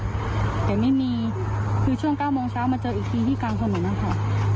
ก็ยังไม่มีคือช่วง๙องค์เช้ามันจะอีกทีที่กลางขนหัวเลยนะคะ